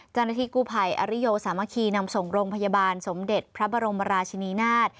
จณฑิกุภัยอริโยสามัคคีนำส่งโรงพยาบาลสมเด็จพระบรมราชินีนาฏ